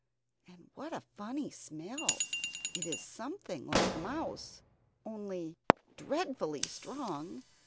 And what a funny smell? It is something like mouse, only dreadfully strong.